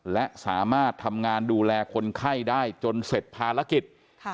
และสามารถทำงานดูแลคนไข้ได้จนเสร็จภารกิจ